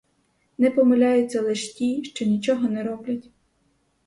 Не помиляються лиш ті що нічого не роблять.